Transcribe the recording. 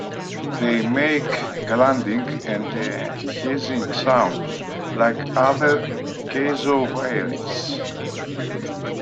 They make grunting and hissing sounds, like other cassowaries.